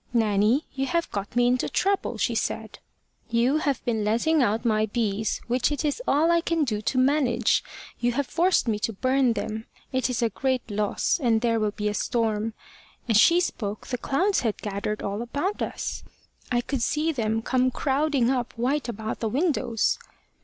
`Nanny, you have got me into trouble,' she said. `You have been letting out my bees, which it is all I can do to manage. You have forced me to burn them. It is a great loss, and there will be a storm.' As she spoke, the clouds had gathered all about us. I could see them come crowding up white about the windows.